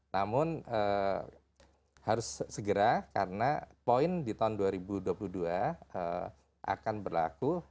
namun harus segera karena poin di tahun dua ribu dua puluh dua akan berlaku